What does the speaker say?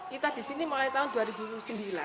kita di sini mulai tahun dua ribu sembilan